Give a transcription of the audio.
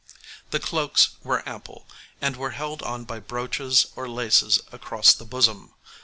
The cloaks were ample, and were held on by brooches or laces across the bosom.